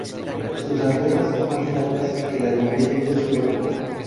Sus antenas son más largas que la longitud de su cuerpo.